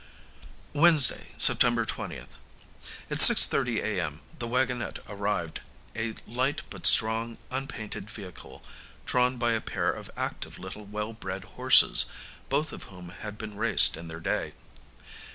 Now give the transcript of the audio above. Wednesday, September 20th. At 6.30 a.m. the waggonette arrived, a light but strong, unpainted vehicle, drawn by a pair of active little well bred horses, both of whom had been raced in their day.